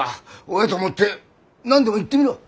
親と思って何でも言ってみろ！